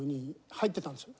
入ってたんですよ。